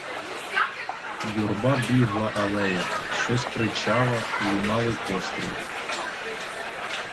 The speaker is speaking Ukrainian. Юрба бігла алеями, щось кричала, лунали постріли.